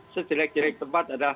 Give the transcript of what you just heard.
sejelek jelek tempat adalah